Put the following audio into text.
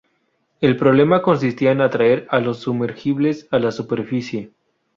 El problema consistía en atraer a los sumergibles a la superficie.